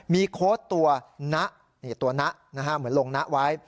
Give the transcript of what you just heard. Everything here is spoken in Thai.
มีโค้ดตัวนะตัวนะเหมือนลงนะไว้